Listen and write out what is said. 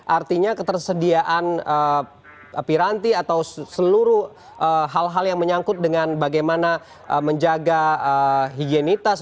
artinya ketersediaan piranti atau seluruh hal hal yang menyangkut dengan bagaimana menjaga higienitas